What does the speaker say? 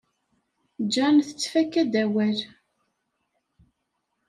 Jane tettfaka-d awal.